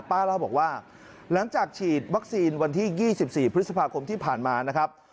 ป้าเล่าบอกว่าหลังจากฉีดวัคซีนวันที่๒๔พฤษภาคมที่ผ่านมานะครับ